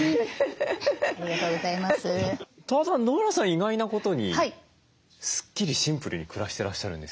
意外なことにスッキリシンプルに暮らしてらっしゃるんですよね？